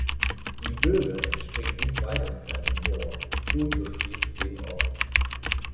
Die Böhme entspringt nicht weit entfernt im Moor und durchfließt den Ort.